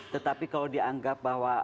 tetapi kalau dianggap bahwa